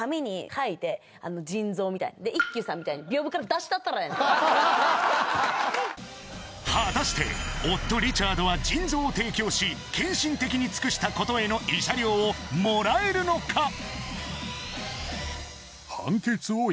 絶対妻をそうだから果たして夫・リチャードは腎臓を提供し献身的に尽くしたことへの慰謝料をもらえるのか？